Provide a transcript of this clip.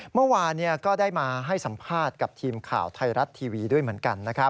เมื่อวานก็ได้มาให้สัมภาษณ์กับทีมข่าวไทยรัฐทีวีด้วยเหมือนกัน